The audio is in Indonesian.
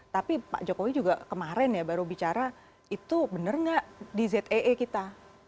tapi pak jokowi juga kemarin ya baru bicara itu benar nggak di zee kita